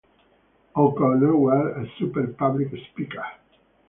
O'Connor was a superb public speaker.